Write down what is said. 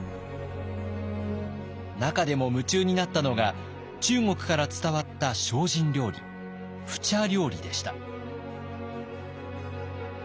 中でも夢中になったのが中国から伝わった精進料理普茶料理でした。